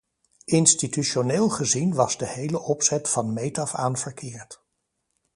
Institutioneel gezien was de hele opzet van meet af aan verkeerd.